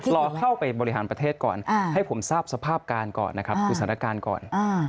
รอเข้าไปบริหารประเทศก่อนให้ผมทราบสภาพการก่อนอุตสนการก่อน